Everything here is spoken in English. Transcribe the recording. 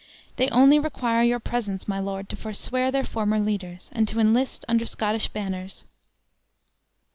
They only require your presence, my lord, to forswear their former leaders, and to enlist under Scottish banners."